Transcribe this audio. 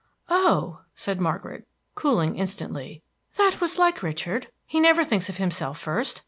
"Oh," said Margaret, cooling instantly. "That was like Richard; he never thinks of himself first.